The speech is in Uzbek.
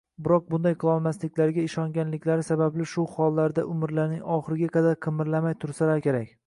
Biroq bunday qilolmasliklariga ishonganlari sababli shu hollarida umrlarining oxiriga qadar qimirlamay tursalar kerak.